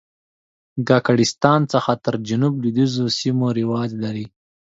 د کاکړستان څخه تر جنوب لوېدیځو سیمو رواج لري.